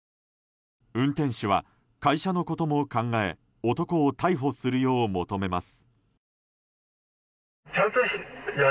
運転手は会社のことも考え男を逮捕するよう求めます。